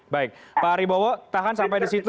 baik pak haribowo tahan sampai disitu